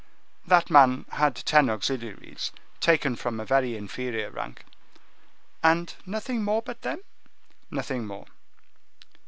"That man had ten auxiliaries, taken from a very inferior rank." "And nothing more but them?" "Nothing more."